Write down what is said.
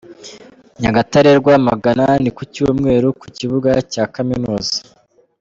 Nyagatare-Rwamagana : Ni kucyumweru ku kibuga cya Kaminuza.